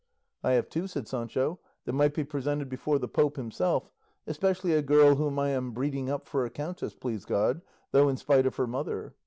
"I have two," said Sancho, "that might be presented before the Pope himself, especially a girl whom I am breeding up for a countess, please God, though in spite of her mother."